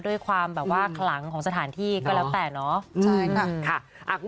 ด้วยความแบบว่าขลังของสถานที่ก็แล้วแต่เนาะ